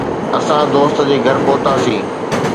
اسان دوست جي گهر پهتاسين.